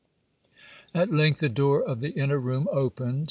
At length the door of the inner room opened.